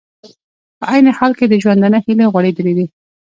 په عین حال کې د ژوندانه هیلې غوړېدلې دي